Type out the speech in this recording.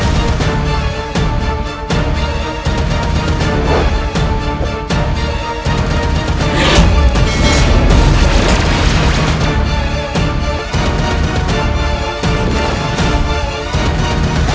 rupanya kalian bersiaplah untuk mati